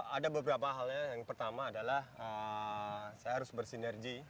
ada beberapa hal yang pertama adalah saya harus bersinergi